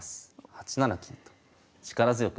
８七金と力強く。